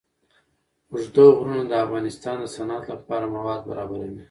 اوږده غرونه د افغانستان د صنعت لپاره مواد برابروي.